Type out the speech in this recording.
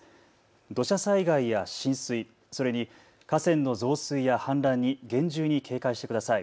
土砂災害や浸水、それに河川の増水や氾濫に厳重に警戒してください。